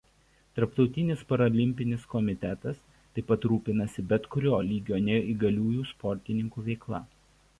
Tarptautinis paralimpinis komitetas taip pat rūpinasi bet kurio lygio neįgaliųjų sportininkų veikla.